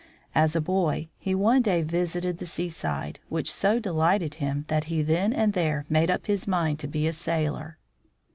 As a boy, he one day visited the seaside, which so de lighted him that he then and there made up his mind to be a sailor.